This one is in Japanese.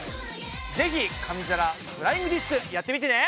ぜひ紙皿フライングディスクやってみてね！